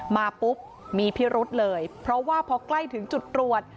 มาปุ๊บมีพิรุษเลยเพราะว่าพอใกล้ถึงจุดตรวจ